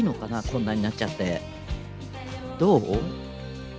こんなになっちゃって、どう？